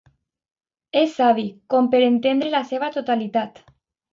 És savi com per entendre la seva totalitat.